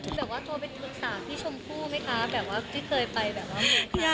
แบบว่าโทรไปปรึกษาพี่ชมพู่ไหมคะแบบว่าที่เคยไปแบบว่า